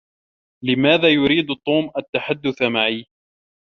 لماذا يريد توم التحدث معي؟